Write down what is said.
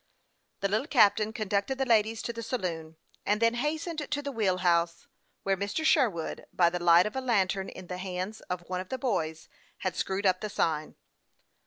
The little captain conducted the ladies to the saloon, and then hastened to the wheel house, where Mr. Sherwood, by the light of a lantern in the hands of one of the boys, had screwed up the sign.